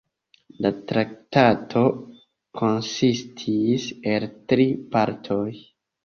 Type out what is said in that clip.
La Traktato konsistis el tri partoj.